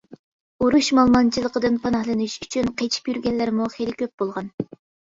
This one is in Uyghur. ئۇرۇش مالىمانچىلىقىدىن پاناھلىنىش ئۈچۈن قېچىپ يۈرگەنلەرمۇ خېلى كۆپ بولغان.